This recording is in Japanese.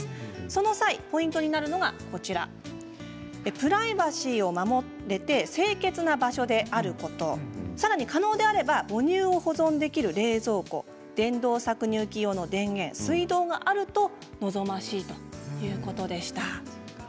その際、ポイントになるのがプライバシーを守っていて清潔な場所であることさらに可能であれば母乳を保存できる冷蔵庫電動搾乳器用の電源水道があると望ましいということでした。